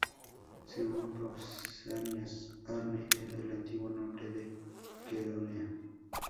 Según Pausanias, Arne era el antiguo nombre de Queronea.